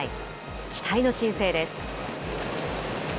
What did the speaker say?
期待の新星です。